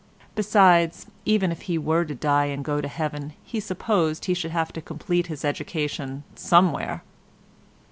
Besides even if he were to die and go to Heaven he supposed he should have to complete his education somewhere.